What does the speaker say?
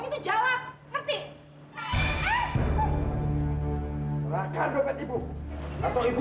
he he tunggu tunggu tunggu